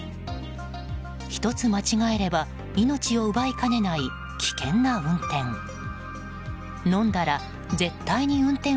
１つ間違えれば命を奪いかねない危険な運転。